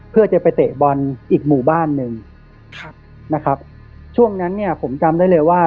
เพื่อจะไปเตะบอลอีกหมู่บ้านนึงช่วงนั้นผมจำได้เลยว่า